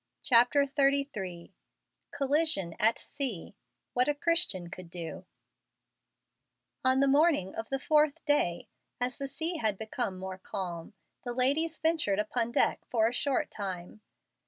CHAPTER XXXIII COLLISION AT SEA WHAT A CHRISTIAN COULD DO On the morning of the fourth day, as the sea had become more calm, the ladies ventured upon deck for a short time.